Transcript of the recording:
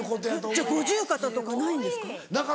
じゃあ五十肩とかないんですか？